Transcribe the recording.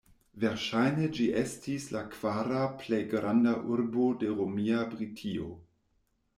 Verŝajne ĝi estis la kvara plej granda urbo de romia Britio.